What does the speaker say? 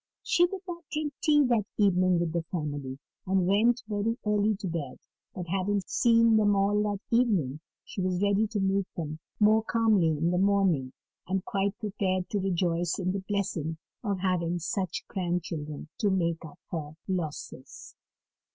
She did not drink tea that evening with the family, and went very early to bed; but having seen them all that evening, she was ready to meet them more calmly in the morning, and quite prepared to rejoice in the blessing of having such grandchildren to make up her losses.